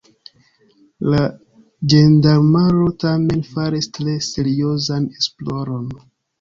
La ĝendarmaro tamen faris tre seriozan esploron.